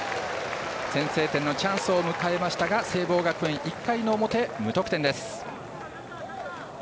先制点のチャンスを迎えましたが聖望学園、１回の表無得点です。